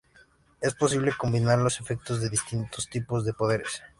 Es posible combinar los efectos de distintos tipos de poderes.